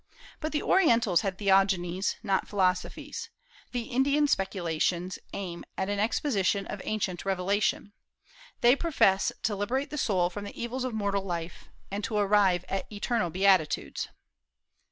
But the Orientals had theogonies, not philosophies. The Indian speculations aim at an exposition of ancient revelation. They profess to liberate the soul from the evils of mortal life, to arrive at eternal beatitudes.